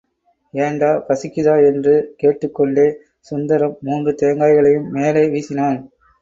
ஏண்டா, பசிக்குதா? என்று கேட்டுக்கொண்டே சுந்தரம் மூன்று தேங்காய்களையும் மேலே வீசினான்.